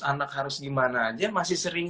anak harus gimana aja masih sering